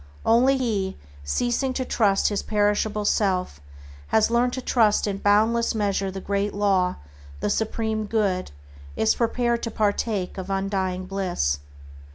Only he who, ceasing to trust his perishable self, has learned to trust in boundless measure the Great Law, the Supreme Good, is prepared to partake of undying bliss.